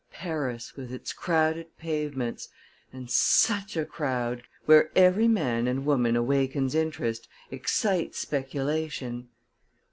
Paris with its crowded pavements and such a crowd, where every man and woman awakens interest, excites speculation!